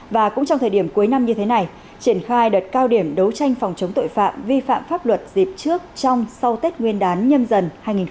và cũng trong thời điểm cuối năm như thế này triển khai đợt cao điểm đấu tranh phòng chống tội phạm vi phạm pháp luật dịp trước trong sau tết nguyên đán nhâm dần hai nghìn hai mươi bốn